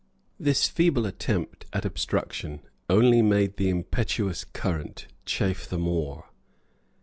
This feeble attempt at obstruction only made the impetuous current chafe the more.